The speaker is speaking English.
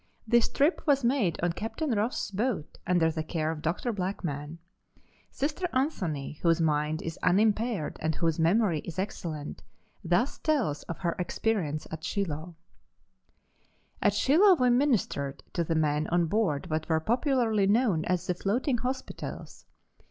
This trip was made on Captain Ross' boat, under the care of Dr. Blackman. Sister Anthony, whose mind is unimpaired and whose memory is excellent, thus tells of her experience at Shiloh: "At Shiloh we ministered to the men on board what were popularly known as the floating hospitals.